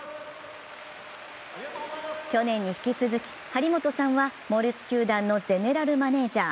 去年に引き続き張本さんはモルツのゼネラルマネージャー。